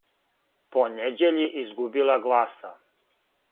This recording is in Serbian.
По неђељи изгубила гласа;